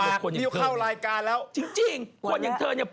ตกปากริ้วเข้ารายการแล้วจริงคนอย่างเธอเนี่ย